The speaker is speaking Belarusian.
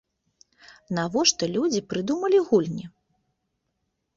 Навошта людзі прыдумалі гульні?